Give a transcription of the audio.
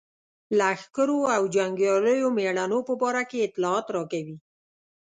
لښکرو او جنګیالیو مېړنو په باره کې اطلاع راکوي.